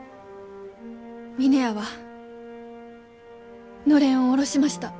峰屋はのれんを下ろしました。